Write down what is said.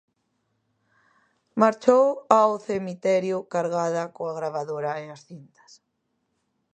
Marchou ao cemiterio cargada coa gravadora e as cintas.